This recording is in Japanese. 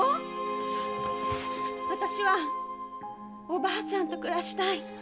あたしはおばあちゃんと暮らしたい。